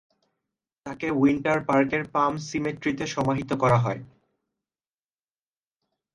তাকে উইন্টার পার্কের পাম সিমেট্রিতে সমাহিত করা হয়।